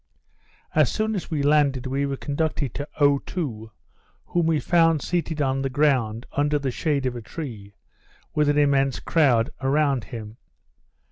As soon as we landed, we were conducted to Otoo, whom we found seated on the ground, under the shade of a tree, with an immense crowd around him.